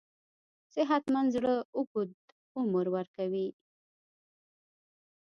صحتمند زړه اوږد عمر ورکوي.